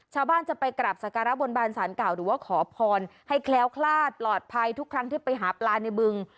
จะไปกราบสการะบนบานสารเก่าหรือว่าขอพรให้แคล้วคลาดปลอดภัยทุกครั้งที่ไปหาปลาในบึง